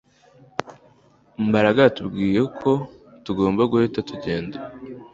Mbaraga yatubwiye ko tugomba guhita tugenda